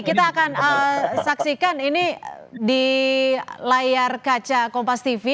kita akan saksikan ini di layar kaca kompas tv